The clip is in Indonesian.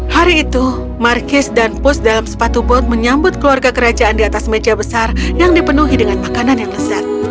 hari itu markis dan pus dalam sepatu bot menyambut keluarga kerajaan di atas meja besar yang dipenuhi dengan makanan yang lezat